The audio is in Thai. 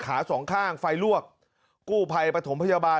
สองข้างไฟลวกกู้ภัยปฐมพยาบาล